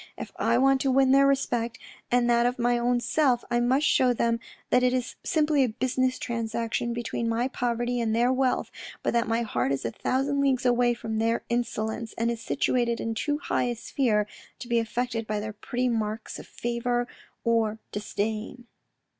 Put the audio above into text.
If I want to win their respect and that of my own self, I must shew them that it is simply a business transaction between my poverty and their wealth, but that my heart is a thousand leagues away from their insolence, and is situated in too high a sphere to be affected by their petty marks of favour or disdain."